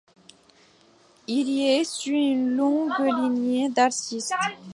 Il est issu d'une longue lignée d'artistes.